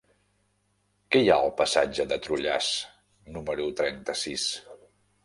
Què hi ha al passatge de Trullàs número trenta-sis?